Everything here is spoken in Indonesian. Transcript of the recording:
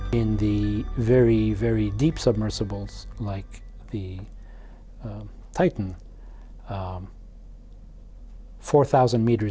jadi ini adalah sebuah kebohongan